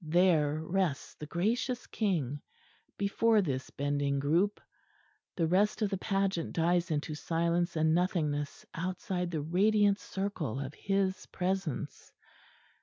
There rests the gracious King, before this bending group; the rest of the pageant dies into silence and nothingness outside the radiant circle of His Presence.